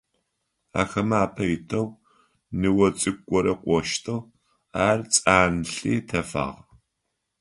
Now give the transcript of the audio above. Ахэмэ апэ итэу ныо цӀыкӀу горэ кӀощтыгъ, ар цӀанлъи тефагъ.